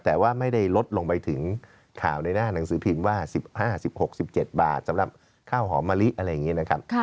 แต่ว่าไม่ได้ลดลงไปถึงข่าวในหน้าหนังสือพิมพ์ว่า๑๕๑๖๑๗บาทสำหรับข้าวหอมมะลิอะไรอย่างนี้นะครับ